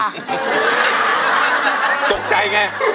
ตกใจไง